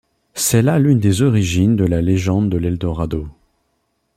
C'est là l'une des origines de la légende de l'Eldorado.